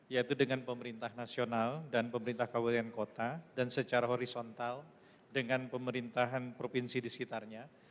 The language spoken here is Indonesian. yaitu dengan pemerintah nasional dan pemerintah kabupaten kota dan secara horizontal dengan pemerintahan provinsi di sekitarnya